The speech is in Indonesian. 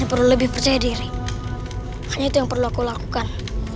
perlu lebih percaya diri hanya itu yang perlu aku lakukan